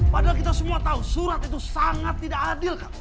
padahal kita semua tahu surat itu sangat tidak adil